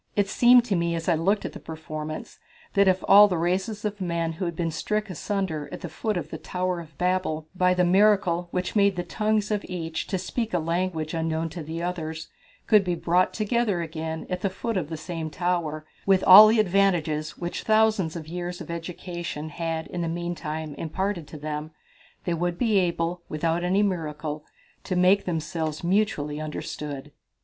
It seemed to me, as I looked at the performance, that if all the races of men, who had been stricken asunder at the foot of the Tower of Babel by the miracle which made the tongues of each to speak a language unknown to the others, could be brought together again at the foot of the same tower, with all the advantages which thousands of years of education had in the meantime imparted to them, they would be able, without any miracle, to make themselves mutually understood.